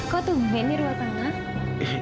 kok tuh becnya ruwal tengah